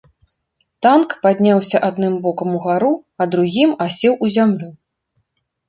Танк падняўся адным бокам угару, а другім асеў у зямлю.